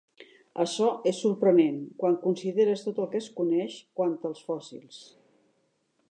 Açò és sorprenent quan consideres tot el que es coneix quant als fòssils.